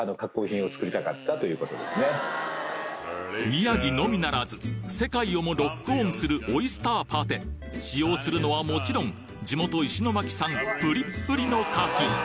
宮城のみならず世界をもロックオンするオイスターパテ使用するのはもちろん地元石巻産ぷりっぷりの牡蠣